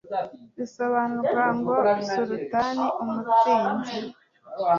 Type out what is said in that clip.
bisobanurwa ngo "sultan", "umutsinzi"